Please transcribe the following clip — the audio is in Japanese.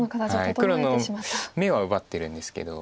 黒の眼は奪ってるんですけど。